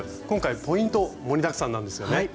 今回ポイント盛りだくさんなんですよね。